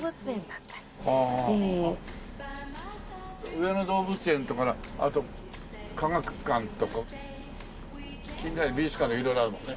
上野動物園とかあと科学館とか近代美術館とか色々あるもんね。